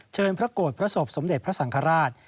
พระโกรธพระศพสมเด็จพระสังฆราช